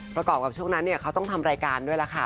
ประกอบกับช่วงนั้นเขาต้องทำรายการด้วยล่ะค่ะ